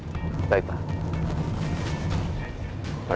bagian kalo kita kehilangan jinjakan depan